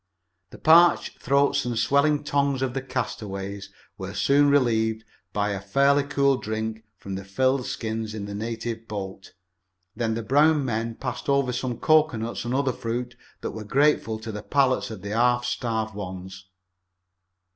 The parched throats and swelling tongues of the castaways were soon relieved by a fairly cool drink from the filled skins in the native boat. Then the brown men passed over some cocoanuts and other fruit that were grateful to the palates of the half starved ones.